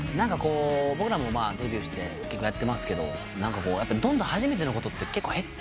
僕らもデビューして結構やってますけどどんどん初めてのことって減ってくるじゃないですか。